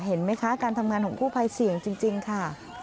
เห็นไหมคะการทำงานของกู้ภัยเสี่ยงจริงค่ะ